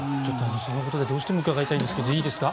そのことでどうしても伺いたいんですけどいいですか。